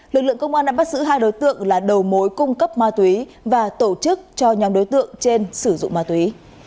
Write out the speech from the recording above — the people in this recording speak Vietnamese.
lực lượng công an đã bắt giữ hai đối tượng là đầu mối cung cấp ma túy và tổ chức cho nhóm đối tượng trên sử dụng ma túy